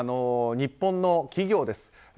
日本の企業です。